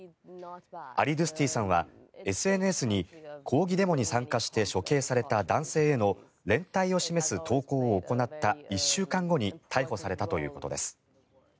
アリドゥスティさんはＳＮＳに抗議デモに参加して処刑された男性への連帯を示す投稿を行った１週間後に逮捕されたということです。